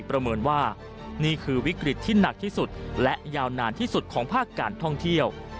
ประเมินว่านี่คือวิกฤตที่หนักที่สุดและยาวนานที่สุดของภาคการท่องเที่ยว